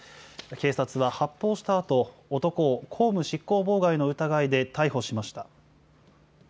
警察は発砲したあと、男を公務執行妨害の疑いで逮捕しました。